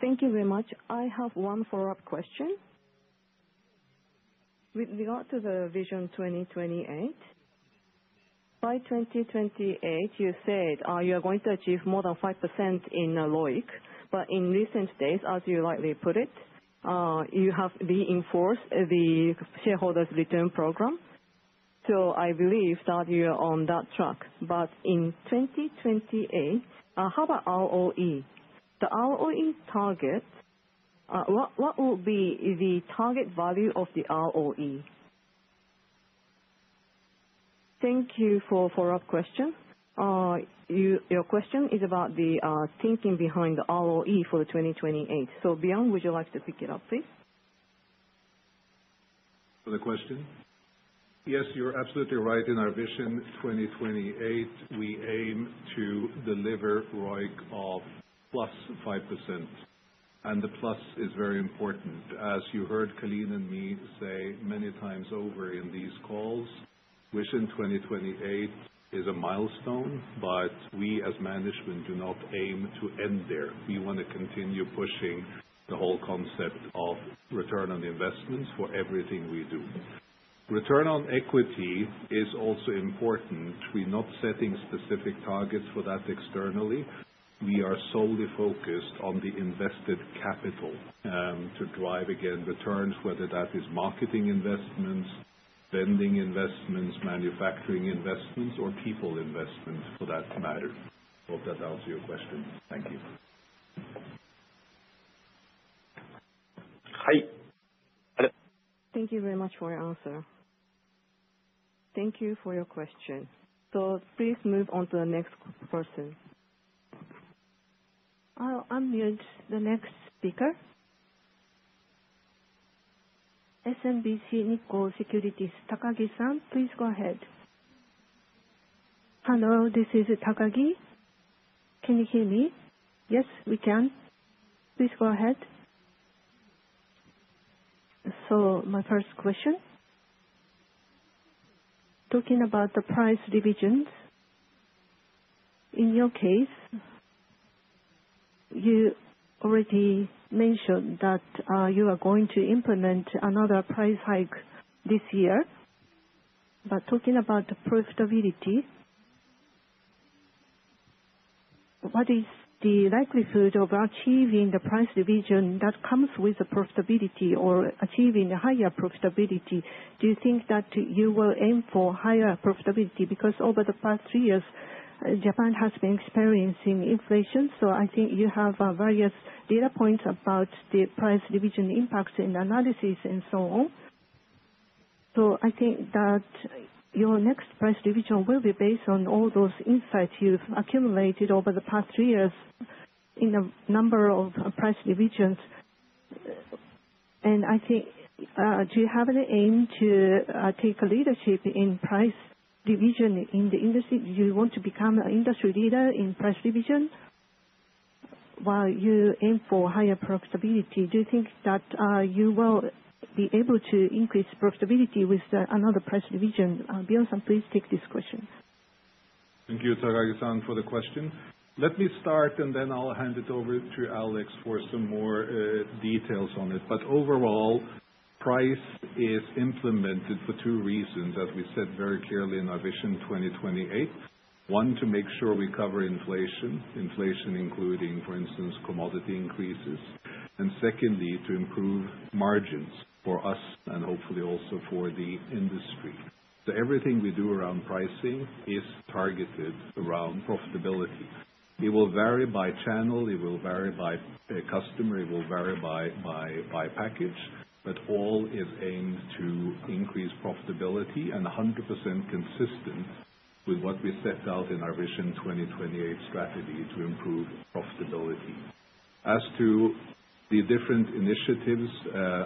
Thank you very much. I have one follow-up question. With regard to the Vision 2028, by 2028, you said you are going to achieve more than 5% in ROIC, but in recent days, as you rightly put it, you have reinforced the shareholders' return program, so I believe that you are on that track but in 2028, how about ROE? The ROE target, what will be the target value of the ROE? Thank you for the follow-up question. Your question is about the thinking behind the ROE for the 2028. So Bjorn, would you like to pick it up, please? For the question? Yes, you're absolutely right. In our Vision 2028, we aim to deliver ROIC of plus 5%. And the plus is very important. As you heard Calin and me say many times over in these calls, Vision 2028 is a milestone, but we as management do not aim to end there. We want to continue pushing the whole concept of return on investments for everything we do. Return on equity is also important. We're not setting specific targets for that externally. We are solely focused on the invested capital to drive, again, returns, whether that is marketing investments, vending investments, manufacturing investments, or people investments for that matter. I hope that answers your question. Thank you. Thank you very much for your answer. Thank you for your question. So please move on to the next person. I'll unmute the next speaker. SMBC Nikko Securities, Takagi-san, please go ahead. Hello, this is Takagi. Can you hear me? Yes, we can. Please go ahead. So my first question, talking about the price revisions, in your case, you already mentioned that you are going to implement another price hike this year. But talking about profitability, what is the likelihood of achieving the price revision that comes with the profitability or achieving a higher profitability? Do you think that you will aim for higher profitability? Because over the past three years, Japan has been experiencing inflation. So I think you have various data points about the price revision impacts and analysis and so on. So I think that your next price revision will be based on all those insights you've accumulated over the past three years in a number of price revisions. I think, do you have an aim to take leadership in price revision in the industry? Do you want to become an industry leader in price revision while you aim for higher profitability? Do you think that you will be able to increase profitability with another price revision? Bjorn-san, please take this question. Thank you, Takagi-san, for the question. Let me start, and then I'll hand it over to Alex for some more details on it. But overall, price is implemented for two reasons that we said very clearly in our Vision 2028. One, to make sure we cover inflation, inflation including, for instance, commodity increases. And secondly, to improve margins for us and hopefully also for the industry. So everything we do around pricing is targeted around profitability. It will vary by channel. It will vary by customer. It will vary by package. But all is aimed to increase profitability and 100% consistent with what we set out in our Vision 2028 strategy to improve profitability. As to the different initiatives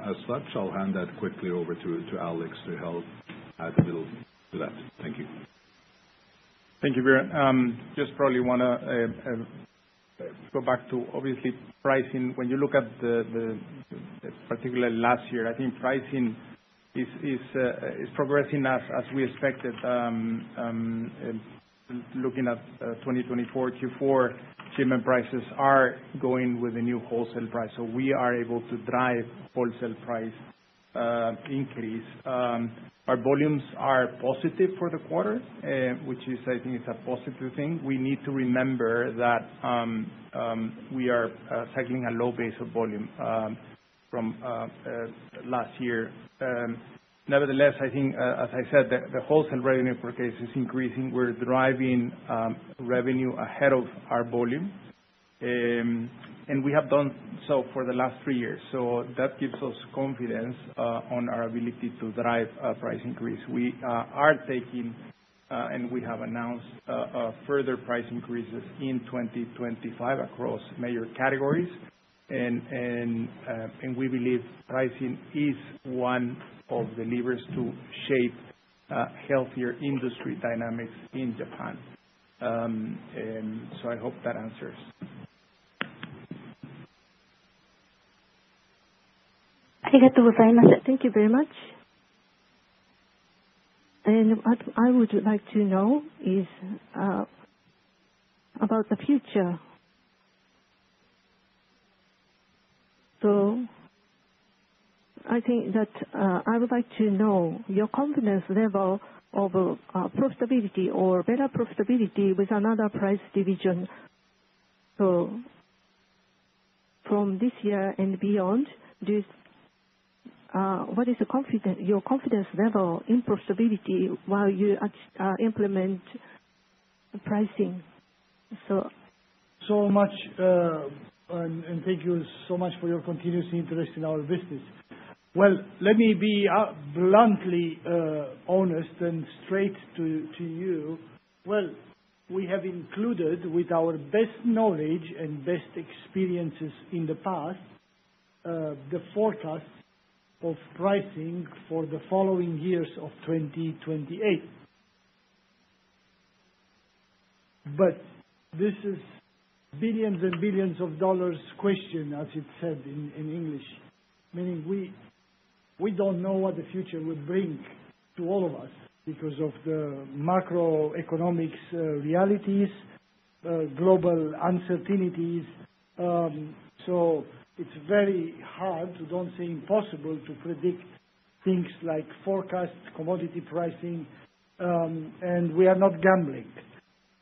as such, I'll hand that quickly over to Alex to help add a little to that. Thank you. Thank you, Bjorn. Just probably want to go back to, obviously, pricing. When you look at the particular last year, I think pricing is progressing as we expected. Looking at 2024 Q4, shipment prices are going with the new wholesale price. So we are able to drive wholesale price increase. Our volumes are positive for the quarter, which I think is a positive thing. We need to remember that we are cycling a low base of volume from last year. Nevertheless, I think, as I said, the wholesale revenue per case is increasing. We're driving revenue ahead of our volume. And we have done so for the last three years. So that gives us confidence on our ability to drive a price increase. We are taking, and we have announced further price increases in 2025 across major categories. And we believe pricing is one of the levers to shape healthier industry dynamics in Japan. And so I hope that answers. Thank you very much. And what I would like to know is about the future. So I think that I would like to know your confidence level of profitability or better profitability with another price revision. So from this year and beyond, what is your confidence level in profitability while you implement pricing? Thank you so much for your continuous interest in our business. Well, let me be bluntly honest and straight to you. We have included, with our best knowledge and best experiences in the past, the forecast of pricing for the following years of 2028. But this is billions and billions of dollars question, as it's said in English, meaning we don't know what the future will bring to all of us because of the macroeconomic realities, global uncertainties. So it's very hard, to don't say impossible, to predict things like forecast, commodity pricing. And we are not gambling.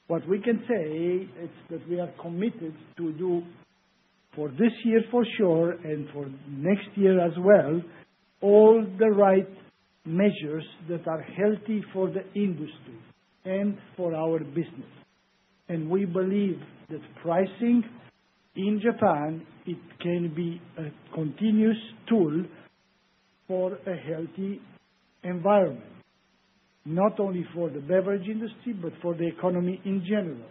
What we can say is that we are committed to do for this year for sure and for next year as well, all the right measures that are healthy for the industry and for our business. And we believe that pricing in Japan, it can be a continuous tool for a healthy environment, not only for the beverage industry, but for the economy in general.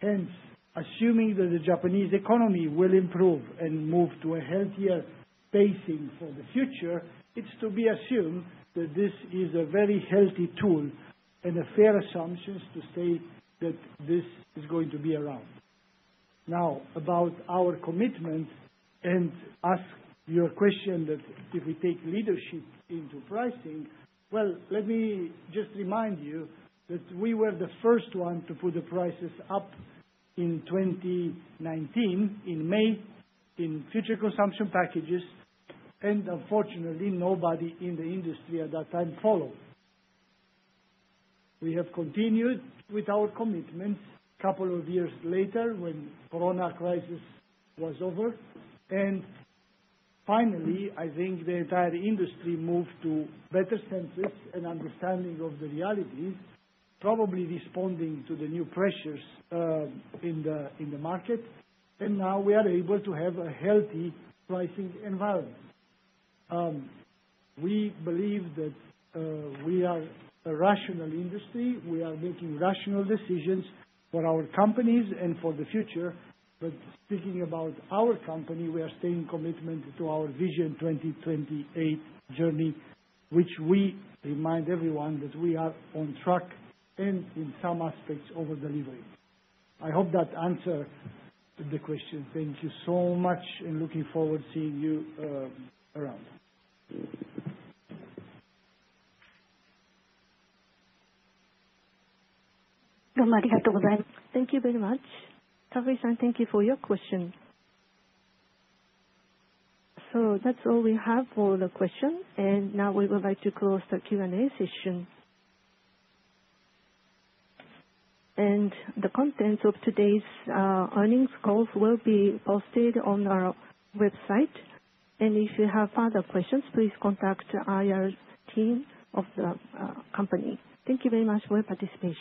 Hence, assuming that the Japanese economy will improve and move to a healthier pacing for the future, it's to be assumed that this is a very healthy tool and a fair assumption to say that this is going to be around. Now, about our commitment and ask your question that if we take leadership into pricing, well, let me just remind you that we were the first one to put the prices up in 2019 in May in future consumption packages. And unfortunately, nobody in the industry at that time followed. We have continued with our commitments a couple of years later when the corona crisis was over. And finally, I think the entire industry moved to better senses and understanding of the realities, probably responding to the new pressures in the market. And now we are able to have a healthy pricing environment. We believe that we are a rational industry. We are making rational decisions for our companies and for the future. But speaking about our company, we are staying committed to our Vision 2028 journey, which we remind everyone that we are on track and in some aspects over delivery. I hope that answered the question. Thank you so much and looking forward to seeing you around. Thank you very much. Takagi-san, thank you for your question. So that's all we have for the question. And now we would like to close the Q&A session. And the contents of today's earnings calls will be posted on our website. And if you have further questions, please contact our team of the company. Thank you very much for your participation.